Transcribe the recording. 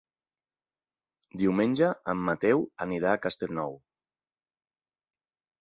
Diumenge en Mateu anirà a Castellnou.